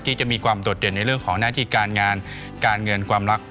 จะมีความโดดเด่นในเรื่องของหน้าที่การงานการเงินความรัก